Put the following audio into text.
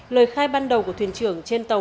lời khai ban đầu của thuyền trưởng trên tàu